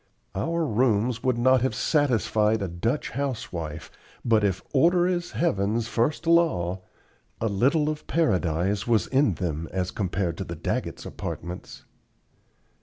Our rooms would not have satisfied a Dutch housewife, but if "order is heaven's first law" a little of Paradise was in them as compared to the Daggetts' apartments.